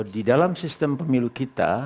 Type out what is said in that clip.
di dalam sistem pemilu kita